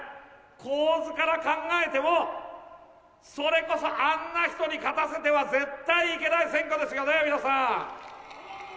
構図から考えても、それこそあんな人に勝たせては絶対いけない選挙ですよね、皆さん。